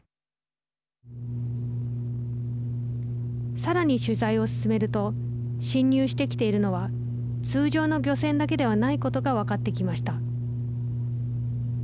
さらに取材を進めると侵入してきているのは通常の漁船だけではないことが分かってきました。